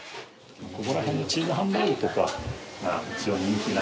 ここら辺のチーズハンバーグとか人気な。